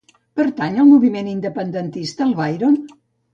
Pertany al moviment independentista el Bairon?